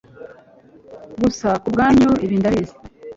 gusa kubwanyu, ibi ndabizi